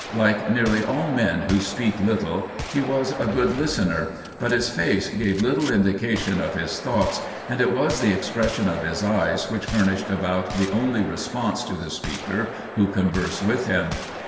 Like nearly all men who speak little, he was a good lis tener ; but his face gave little indication of his thoughts, and it was the expression of his eyes which furnished about the only response to the speaker who conversed with him.